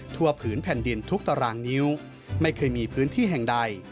ผืนแผ่นดินทุกตารางนิ้วไม่เคยมีพื้นที่แห่งใด